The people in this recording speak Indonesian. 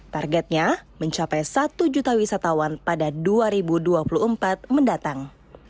targetnya mencapai satu juta wisatawan pada dua ribu dua puluh empat mendatang